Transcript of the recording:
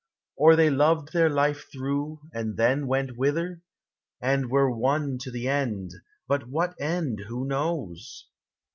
Or they loved their life through, and then went whither? And were one to the end — but what end who knows?